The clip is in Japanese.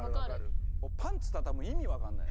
もうパンツ畳む意味わかんない。